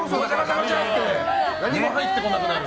何も入ってこなくなる。